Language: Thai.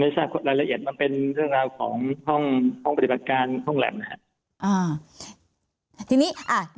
ไม่ทราบรายละเอียดมันเป็นเรื่องราวของห้องปฏิบัติการห้องแหลม